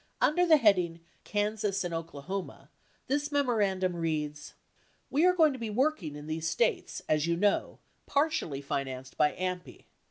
Under the heading "Kansas and Oklahoma," this memorandum reads : We are going to be working in these states, as you know, partially financed by AMPI.